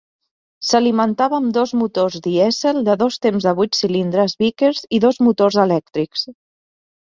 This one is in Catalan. S'alimentava amb dos motors dièsel de dos temps de vuit cilindres Vickers i dos motors elèctrics.